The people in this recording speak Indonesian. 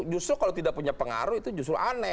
justru kalau tidak punya pengaruh itu justru aneh